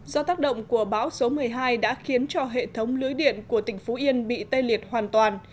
do tác động của bão số một mươi hai đã khiến cho hệ thống lưới điện của tỉnh phú yên bị tê liệt hoàn toàn